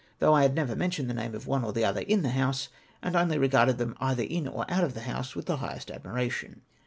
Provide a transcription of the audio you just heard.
!! thousfh I had never mentioned the name of one or the other in the House, and only regarded them either in or out of the House with the highest admiration